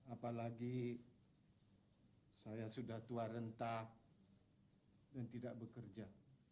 apalagi saya sudah tua rentak dan tidak bekerja